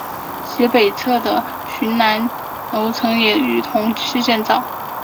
其北侧的建南楼群也于同期建造。